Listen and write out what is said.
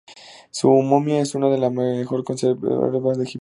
Su momia es una de las mejor conservadas de Egipto.